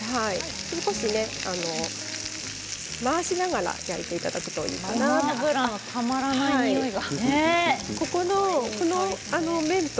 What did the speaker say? それこそ回しながら焼いていただくといいかなと。